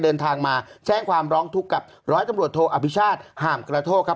เดินทางมาแจ้งความร้องทุกข์กับร้อยตำรวจโทอภิชาติห่ามกระโทกครับ